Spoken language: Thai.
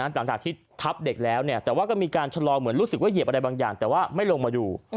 หลังจากที่ทับเด็กแล้วแต่ว่าก็มีการชะลอเหมือนรู้สึกว่าเหยียบอะไรบางอย่างแต่ว่าไม่ลงมาดู